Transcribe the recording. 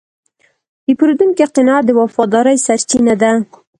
د پیرودونکي قناعت د وفادارۍ سرچینه ده.